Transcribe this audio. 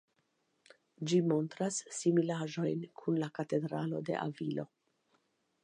Ĝi montras similaĵojn kun la Katedralo de Avilo.